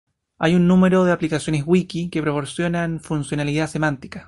Hay un número de aplicaciones wiki que proporcionan funcionalidad semántica.